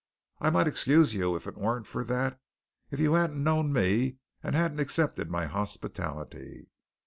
I might excuse you if it weren't for that if you hadn't known me and hadn't accepted my hospitality.